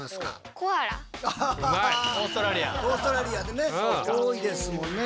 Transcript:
オーストラリアでね多いですもんね。